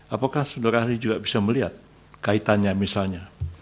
apakah saudara ahli juga bisa melihat kaitannya misalnya